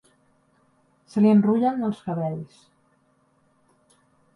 Se li enrullen els cabells.